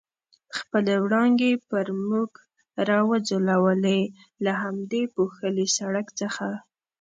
خپلې وړانګې پر موږ را وځلولې، له همدې پوښلي سړک څخه.